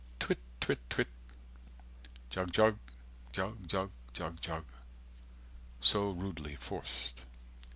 _ Twit twit twit Jug jug jug jug jug jug So rudely forc'd.